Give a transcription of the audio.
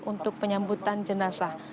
untuk penyambutan jenazah